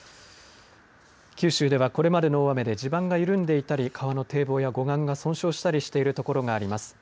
九州ではこれまでは大雨で、地盤が緩んでいたり、川の堤防や護岸が損傷したりしている所があります。